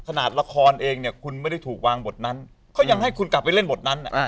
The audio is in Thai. ขนาดละครเองเนี่ยคุณไม่ได้ถูกวางบทนั้นเขายังให้คุณกลับไปเล่นบทนั้น